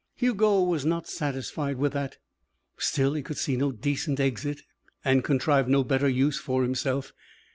Hugo was not satisfied with that. Still, he could see no decent exit and contrive no better use for himself.